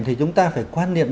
thì chúng ta phải quan niệm